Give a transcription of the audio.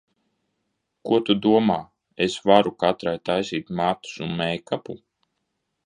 Ko tu domā, es varu katrai taisīt matus un meikapu?